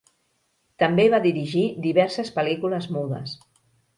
També va dirigir diverses pel·lícules mudes.